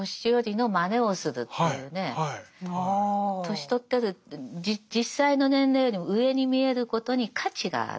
年取ってる実際の年齢よりも上に見えることに価値がある。